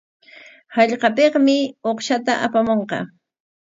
Hallqapikmi uqshata apamunqa.